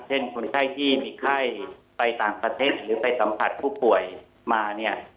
คนไข้ที่มีไข้ไปต่างประเทศหรือไปสัมผัสผู้ป่วยมาเนี่ย